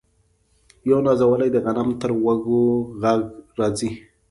یو نازولی د غنم تر وږو ږغ راځي